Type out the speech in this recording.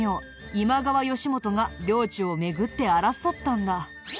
今川義元が領地を巡って争ったんだ。